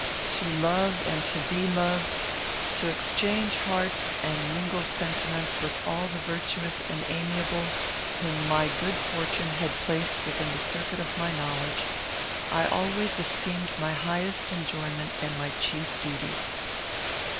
To love and to be loved; to exchange hearts and mingle sentiments with all the virtuous and amiable whom my good fortune had placed within the circuit of my knowledge, I always esteemed my highest enjoyment and my chief duty.